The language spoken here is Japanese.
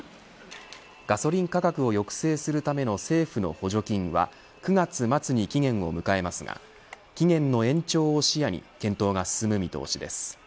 ガソリン価格を抑制するための政府の補助金は９月末に期限を迎えますが期限の延長を視野に検討が進む見通しです。